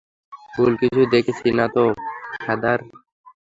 ভুল কিছু দেখছি নাতো, ফাদার?